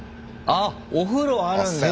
あっお風呂あるんだ！